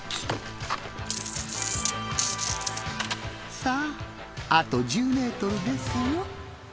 さぁあと１０ｍですよ。